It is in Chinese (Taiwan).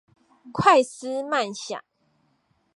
快思慢想